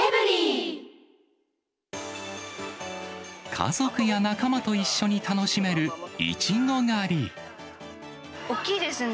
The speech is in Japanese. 家族や仲間と一緒に楽しめる、大きいですね。